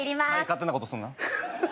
勝手なことすんな。